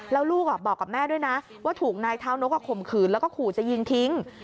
แล้วลูกบอกกับแม่ด้วยนะว่าถูกนายเท้านกข่มขืนแล้วก็ขู่จะยิงทิ้ง